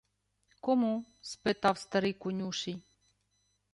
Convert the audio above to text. — Кому? — спитав старий конюший.